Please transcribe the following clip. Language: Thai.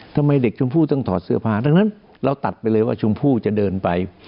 ทำไมเด็กชมพู่ต้องถอดเสื้อผ้าดังนั้นเราตัดไปเลยว่าชมพู่จะเดินไป